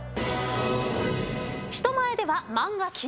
人前では漫画禁止。